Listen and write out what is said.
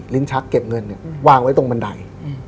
ลิ้นชักเก็บเงินเนี่ยวางไว้ตรงบันได